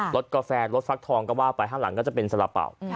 รสกาแฟรสฟลักษณ์ทองก็ว่าไปห้างหลังก็จะเป็นสาปาว